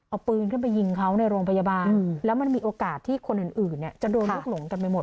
เอาปืนขึ้นไปยิงเขาในโรงพยาบาลแล้วมันมีโอกาสที่คนอื่นเนี่ยจะโดนลูกหลงกันไปหมด